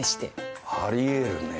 あり得るね。